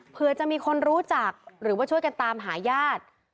เพื่อจะมีคนรู้จักหรือว่าช่วยกันตามหาญาติ